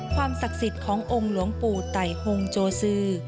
ความศักดิ์สิทธิ์ขององค์หลวงปู่ไต่หงโจซือ